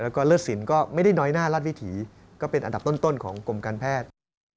แล้วก็เลิศสินก็ไม่ได้น้อยหน้ารัฐวิถีก็เป็นอันดับต้นของกรมการแพทย์